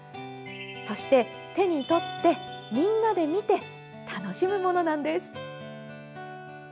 そして、手にとってみんなで見て楽しむものなんです。